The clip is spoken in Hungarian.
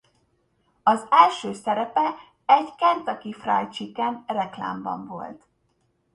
Az első szerepe egy Kentucky Fried Chiken reklámban volt.